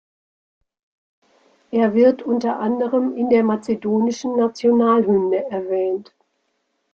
Er wird unter anderem in der mazedonischen Nationalhymne erwähnt.